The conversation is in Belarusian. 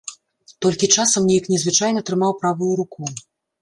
Толькі часам неяк нязвычна трымаў правую руку.